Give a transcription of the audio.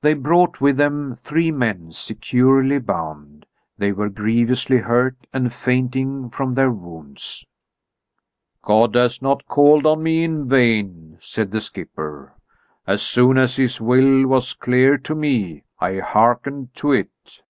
They brought with them three men securely bound. They were grievously hurt and fainting from their wounds. "God has not called on me in vain," said the skipper. "As soon as His will was clear to me, I hearkened to it."